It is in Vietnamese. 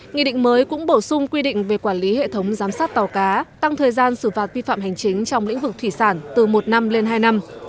nghị định mới cũng bổ sung quy định về quản lý hệ thống giám sát tàu cá tăng thời gian xử phạt vi phạm hành chính trong lĩnh vực thủy sản từ một năm lên hai năm